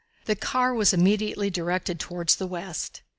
The car was immediately directed toward the west.